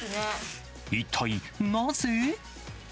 一体なぜ？